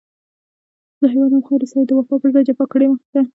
له هېواد او خاورې سره يې د وفا پر ځای جفا کړې ده.